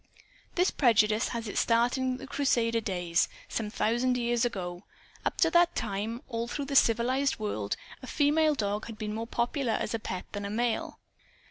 This prejudice had its start in Crusader days, some thousand years ago. Up to that time, all through the civilized world, a female dog had been more popular as a pet than a male.